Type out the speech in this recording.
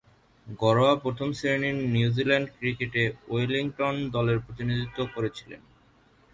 ঘরোয়া প্রথম-শ্রেণীর নিউজিল্যান্ডীয় ক্রিকেটে ওয়েলিংটন দলের প্রতিনিধিত্ব করেছিলেন।